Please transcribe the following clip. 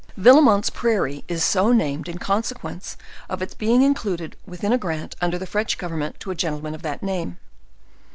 Villemont's prairie is so named in consequence of its be* ing included within a grant under the French government to a gentleman of that name.